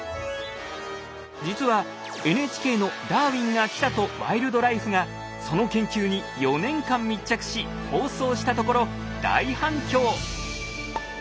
実はＮＨＫの「ダーウィンが来た！」と「ワイルドライフ」がその研究に４年間密着し放送したところ大反響。